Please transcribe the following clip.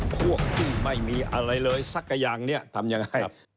พวกที่ไม่มีอะไรเลยสักอย่างเนี่ยทำยังไง